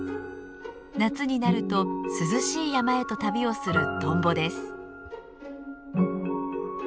夏になると涼しい山へと旅をするトンボです。